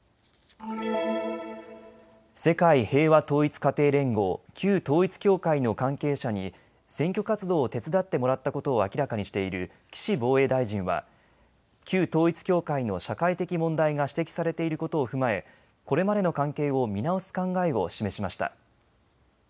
世界平和統一家庭連合、旧統一教会の関係者に選挙活動を手伝ってもらったことを明らかにしている岸防衛大臣は旧統一教会の社会的問題が指摘されていることを踏まえこれまでの関係を見直す考えを示しました。